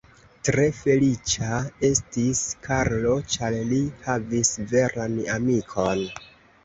Tre feliĉa estis Karlo, ĉar li havis veran amikon.